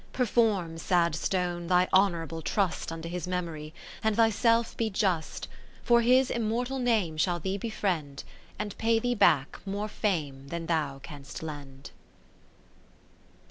Perform, sad Stone, thy honourable trust Unto his memory, and thyself be just, For his immortal name shall thee befriend, And pay thee back more fame than thou canst lend.